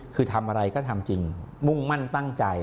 คือทำอะไรก็ทำจริงมุ่งมั่นตั้งใจ